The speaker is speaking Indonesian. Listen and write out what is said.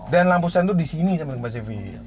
dan lampu sen itu disini sobat tempat cv